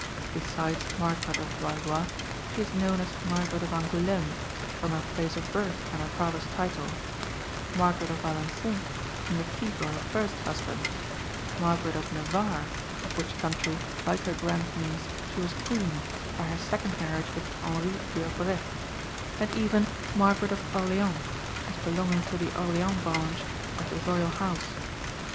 Besides Margaret of Valois, she is known as Margaret of Angoulême, from her place of birth and her father's title; Margaret of Alençon, from the fief of her first husband; Margaret of Navarre, of which country, like her grand niece, she was queen, by her second marriage with Henry d'Albret; and even Margaret of Orleans, as belonging to the Orleans branch of the royal house.